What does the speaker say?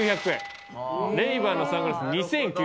レイバンのサングラス２９００円。